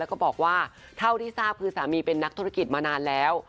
แล้วก็บอกว่าเท่าที่ทราบคือสามีเป็นนักธุรกิจมานานแล้ว